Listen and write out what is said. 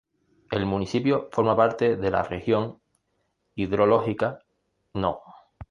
El municipio forma parte de la Región Hidrológica No.